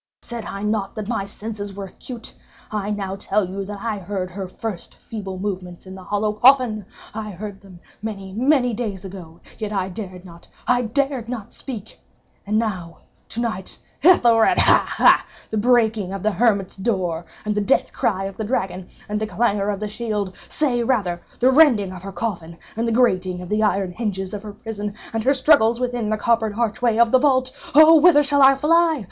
_ Said I not that my senses were acute? I now tell you that I heard her first feeble movements in the hollow coffin. I heard them—many, many days ago—yet I dared not—I dared not speak! And now—to night—Ethelred—ha! ha!—the breaking of the hermit's door, and the death cry of the dragon, and the clangor of the shield!—say, rather, the rending of her coffin, and the grating of the iron hinges of her prison, and her struggles within the coppered archway of the vault! Oh whither shall I fly?